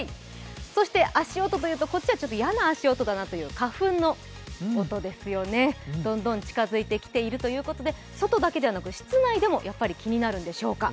そして足音というと、こっちはちょっと嫌な足音だなという、花粉の音ですよね、どんどん近づいてきているということで外だけではなく室内でもやっぱり気になるんでしょうか。